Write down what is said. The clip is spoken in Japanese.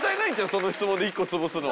その質問で１個つぶすの。